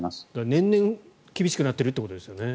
年々厳しくなっているということですよね。